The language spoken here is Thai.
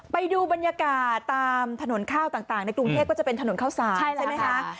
ไปดูบรรยากาศตามถนนข้าวต่างในกรุงเทพก็จะเป็นถนนข้าวสารใช่ไหมคะ